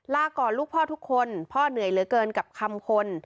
ลาก่อนลูกพ่อทุกคนพ่อเหนื่อยเหลือเกินกับคำคน